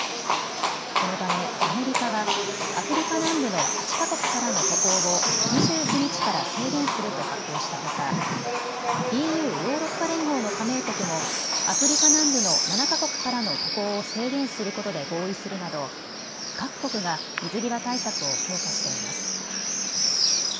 このためアメリカはアフリカ南部の８か国からの渡航を２９日から制限すると発表したほかＥＵ・ヨーロッパ連合の加盟国もアフリカ南部の７か国からの渡航を制限することで合意するなど、各国が水際対策を強化しています。